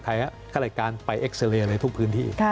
ข้ารายการไปเอ็กซาเรย์ในทุกพื้นที่